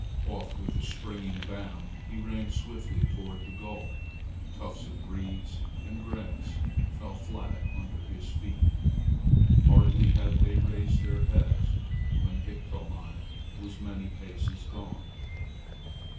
Off with a springing bound, he ran swiftly toward the goal. Tufts of reeds and grass fell flat under his feet. Hardly had they raised their heads when Iktomi was many paces gone.